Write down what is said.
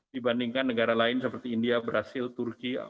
dibandingkan negara lain seperti india brazil turki